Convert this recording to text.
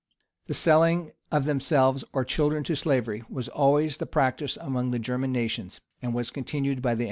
[] The selling of themselves or children to slavery, was always the practice among the German nations,[] and was continued by the Anglo Saxons.